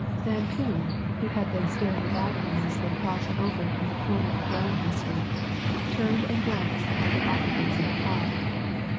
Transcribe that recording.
Van Koon, who had been staring about him as they crossed over from the corner of Wellington Street, turned and glanced at the occupants of the car.